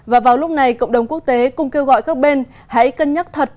và vào lúc này cộng đồng quốc tế cũng kêu gọi các bên hãy cân nhắc thật